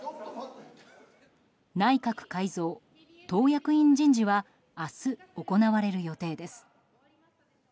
内閣改造・党役員人事は明日、行われる予定です。